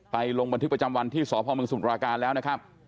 ลงบันทึกประจำวันที่สพมสมุทราการแล้วนะครับ